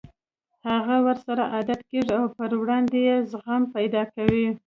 هغه ورسره عادت کېږي او پر وړاندې يې زغم پيدا کوي.